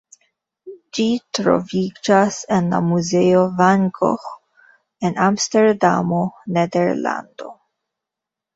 Ĝi troviĝas en la muzeo Van Gogh en Amsterdamo, Nederlando.